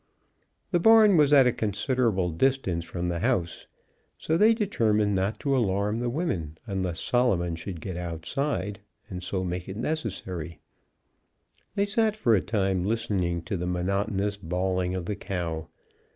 The barn was at a considerable distance from the house, so they determined not to alarm the women unless Solomon should get outside and so make it necessary. They sat for a time listening to the monotonous bawling of the cow.